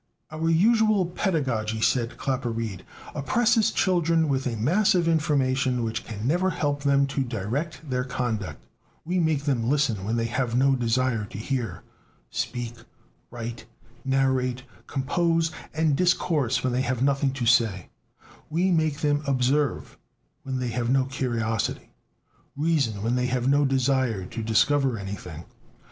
"Our usual pedagogy," said Claparède, "oppresses children with a mass of information which can never help them to direct their conduct; we make them listen when they have no desire to hear; speak, write, narrate, compose and discourse when they have nothing to say; we make them observe when they have no curiosity, reason when they have no desire to discover anything.